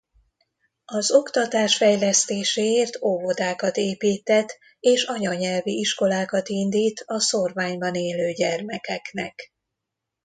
Az oktatás fejlesztéséért óvodákat építtet és anyanyelvi iskolákat indít a szórványban élő gyermekeknek.